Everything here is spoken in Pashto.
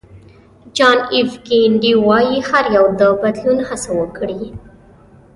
جان اېف کېنیډي وایي هر یو د بدلون هڅه وکړي.